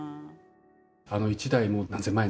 あの１台もう何千万円